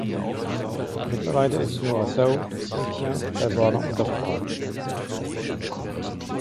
Mittlerweile ist Noah Sow nicht mehr bei Warner unter Vertrag.